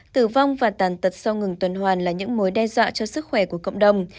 tử vong và tàn tật sau ngừng tuần hoàn là những mối đe dọa cho sức khỏe của cộng đồng